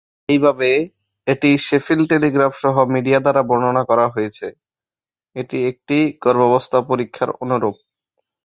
এইভাবে, এটি Sheffield Telegraph সহ মিডিয়া দ্বারা বর্ণনা করা হয়েছে, এটি একটি গর্ভাবস্থা পরীক্ষার অনুরূপ।